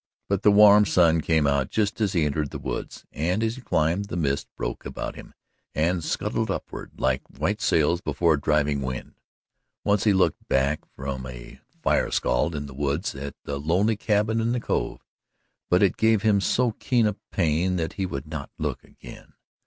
But the warm sun came out just as he entered the woods, and as he climbed, the mists broke about him and scudded upward like white sails before a driving wind. Once he looked back from a "fire scald" in the woods at the lonely cabin in the cove, but it gave him so keen a pain that he would not look again.